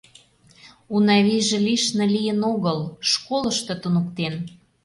Унавийже лишне лийын огыл, школышто туныктен.